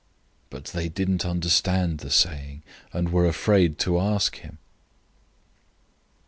009:032 But they didn't understand the saying, and were afraid to ask him.